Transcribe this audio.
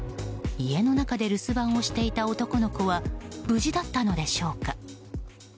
家の中で留守番をしていた男の子は無事だったのでしょうか。